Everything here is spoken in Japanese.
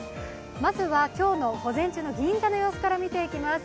まずは今日の午前中の銀座の様子から見ていきます。